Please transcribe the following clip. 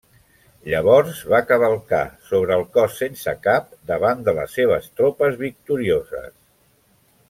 Llavors va cavalcar sobre el cos sense cap, davant de les seves tropes victorioses.